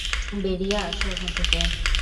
বেড়িয়ে আসো ওখান থেকে।